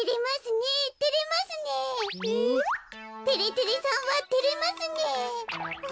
てれてれさんはてれますねえ。